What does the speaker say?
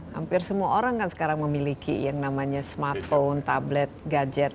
hampir semua orang kan sekarang memiliki yang namanya smartphone tablet gadget